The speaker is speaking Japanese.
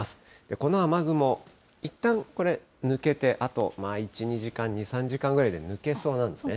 この雨雲、いったんこれ、抜けてあと１、２時間、２、３時間ぐらいで抜けそうなんですね。